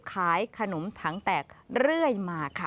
ขายขนมถังแตกเรื่อยมาค่ะ